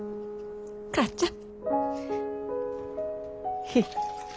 母ちゃん。